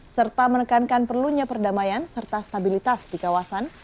serta menekankan perlunya perdamaian serta stabilitas di kawasan